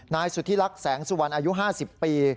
นายสุธิรักษ์แสงสุวรรณอายุ๕๐ปี